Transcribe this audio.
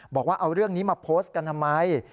บอกว่าเอาเรื่องนี้มาโพสต์กันทำไม